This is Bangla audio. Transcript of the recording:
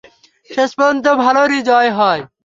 শেষ পর্যন্ত ভালোরই জয় হয়।